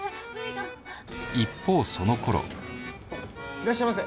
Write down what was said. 一方その頃いらっしゃいませ。